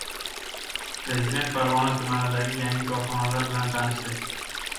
Prezident Farg‘ona tumanidagi yangi korxonalar bilan tanishdi